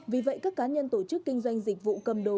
vì vậy các cá nhân tổ chức kinh doanh dịch vụ cầm đồ